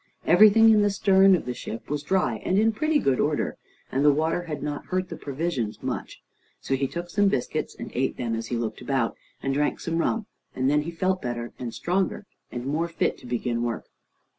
Everything in the stern of the ship was dry, and in pretty good order, and the water had not hurt the provisions much. So he took some biscuits, and ate them as he looked about, and drank some rum, and then he felt better, and stronger, and more fit to begin work.